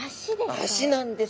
足なんですねえ。